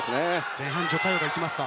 前半ジョ・カヨがいきますか。